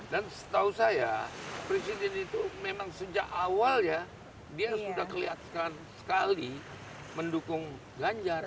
dan setahu saya presiden itu memang sejak awalnya dia sudah kelihatan sekali mendukung ganjar